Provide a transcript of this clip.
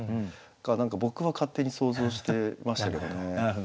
何か僕は勝手に想像してましたけどね。